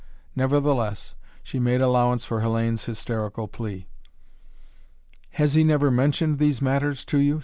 Nevertheless she made allowance for Hellayne's hysterical plea. "Has he never mentioned these matters to you?"